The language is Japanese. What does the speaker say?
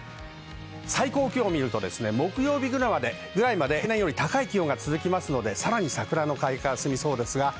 最高気温を見ると木曜日ぐらいまで平年より高い気温が続きますので、桜の開花が進みそうです。